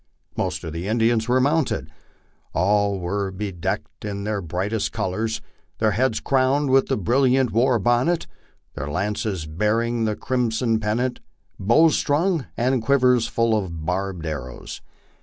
Most of the Indians were mounted ; all were bedecked in their brightest colors, their heads crowned with the brilliant war bonnet, their lances bearing the crimson pennant, bows strung, and quivers full of barbed arrows.